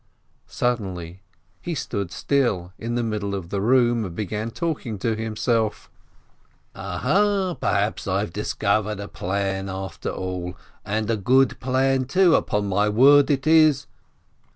Sud denly he stood still in the middle of the room, and began talking to himself : "Aha! Perhaps I've discovered a plan after all! And a good plan, too, upon my word it is